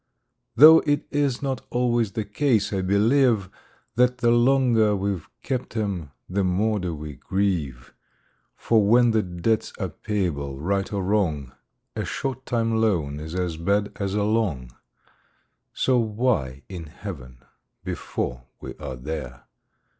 Though it is not always the case, I believe, That the longer we've kept 'em, the more do we grieve: For, when debts are payable, right or wrong, A short time loan is as bad as a long So why in Heaven (before we are there!)